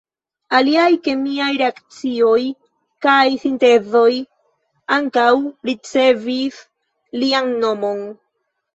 Aliaj kemiaj reakcioj kaj sintezoj ankaŭ ricevis lian nomon.